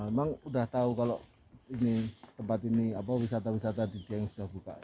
memang sudah tahu kalau tempat ini wisata wisata di dieng sudah buka